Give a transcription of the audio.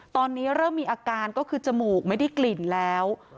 ตอนนี้เริ่มมีอาการก็คือจมูกไม่ได้กลิ่นแล้ว